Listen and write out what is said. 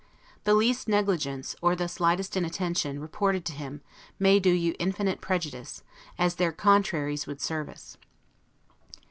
The least negligence, or the slightest inattention, reported to him, may do you infinite prejudice: as their contraries would service.